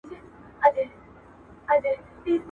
چي پر ما خیالي ځوانان مري بېګناه خونکاره سومه.